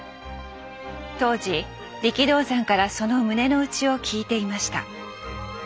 当時力道山からその胸の内を聞いていました。